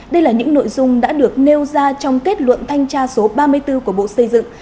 đây là những nội dung đã được nêu ra trong kết luận thanh tra số ba mươi bốn của bộ xây dựng